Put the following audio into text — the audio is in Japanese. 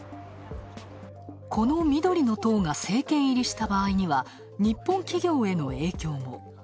この緑の党が政権入りした場合には日本企業への影響も。